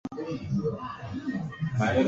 ni kweli Au kuna kitu kikubwa zaidi kilicho mbele ya